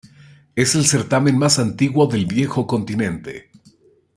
Es el certamen más antiguo del viejo continente.